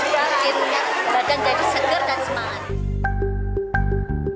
makin badan jadi seger dan semangat